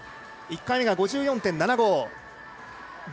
１回目、５４．７５。